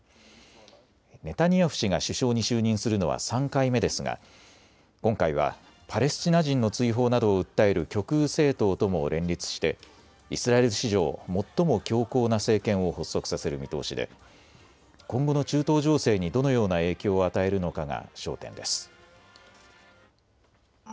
ネタニヤフ氏が首相に就任するのは３回目ですが今回はパレスチナ人の追放などを訴える極右政党とも連立してイスラエル史上最も強硬な政権を発足させる見通しで今後の中東情勢にどのような影響を与えるのかが焦点です。